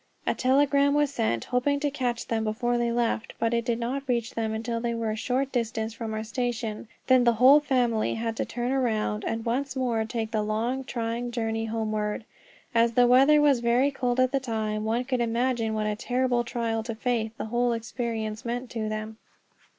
A telegram was sent, hoping to catch them before they left, but it did not reach them until they were a short distance from our station. Then the whole family had to turn around, and once more take the long, trying journey, homeward. As the weather was very cold at the time, one could imagine what a terrible trial to faith the whole experience meant to them.